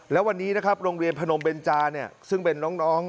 แล้ววันนี้นะครับโรงเรียนพนมเบนจาเนี่ยซึ่งเป็นน้อง